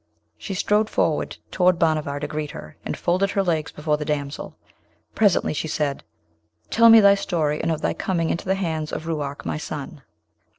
She strode forward toward Bhanavar to greet her, and folded her legs before the damsel. Presently she said, 'Tell me thy story, and of thy coming into the hands of Ruark my son.'